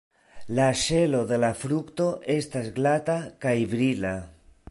La ŝelo de la frukto estas glata kaj brila.